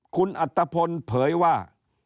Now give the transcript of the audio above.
คุณอัตภพลเผยว่า